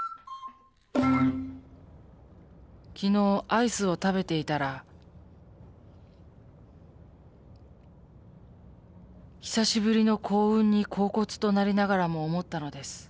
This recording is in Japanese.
昨日アイスを食べていたら久しぶりの幸運に恍惚となりながらも思ったのです。